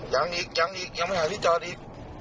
ยังอีกยังอีกยังไม่หาที่จอดอีก